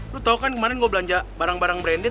lo tau kan kemarin gue belanja barang barang branded